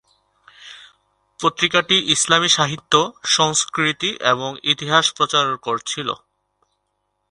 পত্রিকাটি ইসলামী সাহিত্য, সংস্কৃতি এবং ইতিহাস প্রচার করছিলো।